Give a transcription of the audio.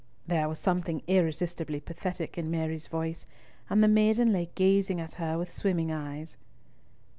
There was something irresistibly pathetic in Mary's voice, and the maiden lay gazing at her with swimming eyes.